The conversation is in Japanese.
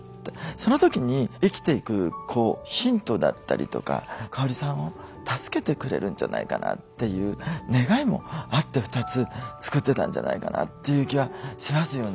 その時に生きていくこうヒントだったりとか香さんを助けてくれるんじゃないかなっていう願いもあって２つ作ってたんじゃないかなっていう気はしますよね。